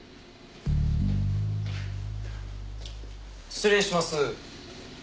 失礼します。